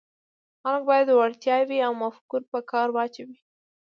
خلک باید وړتیاوې او مفکورې په کار واچوي.